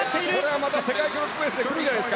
これは世界記録ペースで来るんじゃないですか。